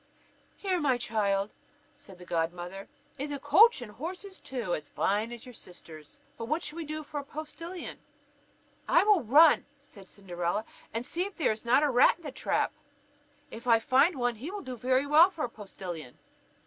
"Here, my child," said the godmother, "is a coach and horses too, as handsome as your sisters', but what shall we do for a postillion?" "I will run," replied Cinderella, "and see if there be not a rat in the trap. If I find one, he will do very well for a postillion."